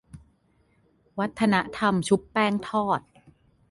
วัฒนธรรมชุบแป้งทอด